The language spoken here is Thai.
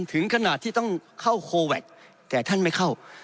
ถึงขนาดที่ต้องเข้าโคแวคแต่ท่านไม่เข้า